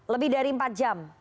lebih dari empat jam